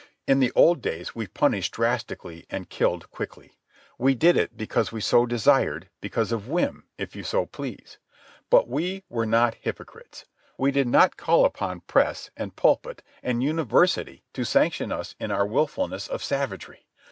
In the old days we punished drastically and killed quickly. We did it because we so desired, because of whim, if you so please. But we were not hypocrites. We did not call upon press, and pulpit, and university to sanction us in our wilfulness of savagery.